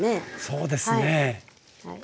そうですね。